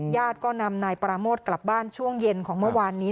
ญาติก็นำนายปราโมทกลับบ้านช่วงเย็นของเมื่อวานนี้